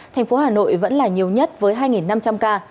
thành phố hà nội vẫn là nhiều nhất với hai năm trăm linh ca